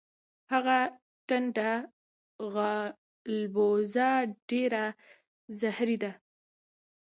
هغه ټنډه غالبوزه ډیره زهری ده.